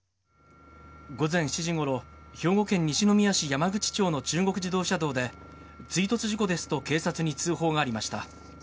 午前７時ごろ、兵庫県西宮市山口町の中国自動車道で、追突事故ですと警察に通報がありました。